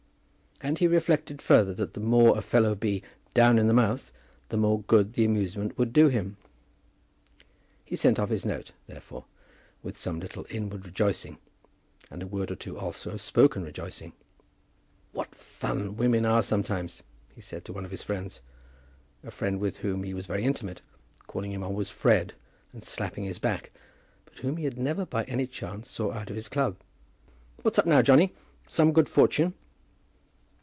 And he reflected further that the more a fellow be "down in the mouth," the more good the amusement would do him. He sent off his note, therefore, with some little inward rejoicing, and a word or two also of spoken rejoicing. "What fun women are sometimes," he said to one of his friends, a friend with whom he was very intimate, calling him always Fred, and slapping his back, but whom he never by any chance saw out of his club. "What's up now, Johnny? Some good fortune?"